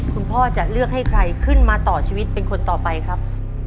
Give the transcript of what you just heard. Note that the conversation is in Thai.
พ่อจะเลือกให้ใครขึ้นมาต่อชีวิตเป็นคนต่อไปครับ